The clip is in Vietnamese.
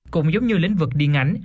cũng giống như lĩnh vực điện ảnh